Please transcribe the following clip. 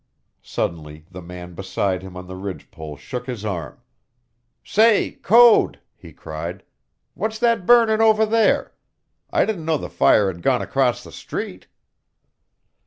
Suddenly the man beside him on the ridge pole shook his arm. "Say, Code!" he cried. "What's that burnin' over there? I didn't know the fire had gone across the street."